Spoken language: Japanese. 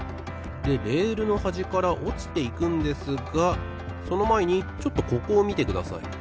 でレールのはじからおちていくんですがそのまえにちょっとここをみてください。